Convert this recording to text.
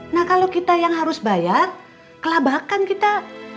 nah kalau kita yang harus bayar kelabakan kita